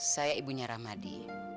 saya ibunya rahmadi